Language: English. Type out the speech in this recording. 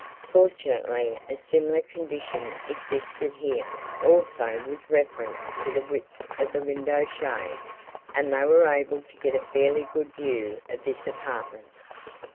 Fortunately a similar condition existed here also with reference to the width of the window shade and they were able to get a fairly good view of this apartment.